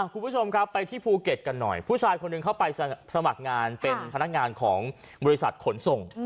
คุณผู้ชมครับไปที่ภูเก็ตกันหน่อยผู้ชายคนหนึ่งเข้าไปสมัครงานเป็นพนักงานของบริษัทขนส่ง